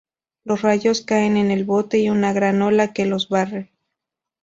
Los rayos caen en el bote y una gran ola que los barre.